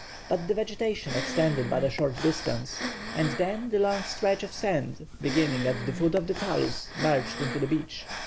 But the vegetation extended but a short distance, and then the long stretch of sand, beginning at the foot of the talus, merged into the beach.